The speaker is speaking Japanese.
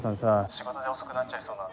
仕事で遅くなっちゃいそうなんだよ。